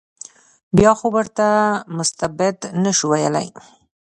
بیا خو ورته مستبد نه شو ویلای.